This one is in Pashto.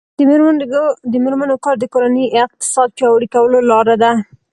د میرمنو کار د کورنۍ اقتصاد پیاوړی کولو لاره ده.